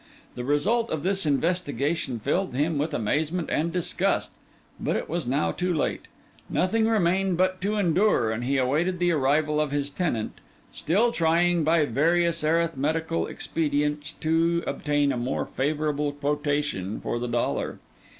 The result of this investigation filled him with amazement and disgust; but it was now too late; nothing remained but to endure; and he awaited the arrival of his tenant, still trying, by various arithmetical expedients, to obtain a more favourable quotation for the dollar.